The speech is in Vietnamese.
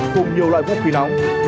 cùng nhiều loại phốc khí nóng